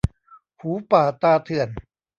หูป่าตาเถื่อน